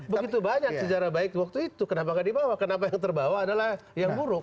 begitu banyak sejarah baik waktu itu kenapa gak dibawa kenapa yang terbawa adalah yang buruk